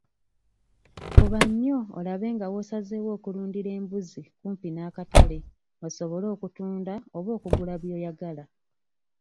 Fuba nnyo olabe nga w'osazeewo okulundira embuzi kumpi n'akatale osobole okutunda oba okugula by'oyagala.